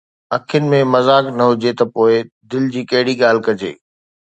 اکين ۾ مذاق نه هجي ته پوءِ دل جي ڪهڙي ڳالهه ڪجي